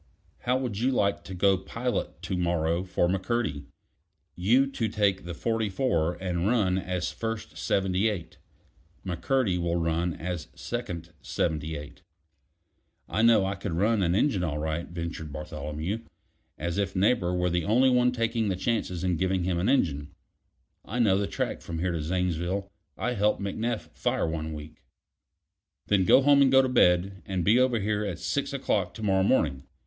"How would you like to go pilot to morrow for McCurdy? You to take the 44 and run as first Seventy eight. McCurdy will run as second Seventy eight." "I know I could run an engine all right," ventured Bartholomew, as if Neighbor were the only one taking the chances in giving him an engine. "I know the track from here to Zanesville. I helped McNeff fire one week." "Then go home, and go to bed; and be over here at six o'clock to morrow morning.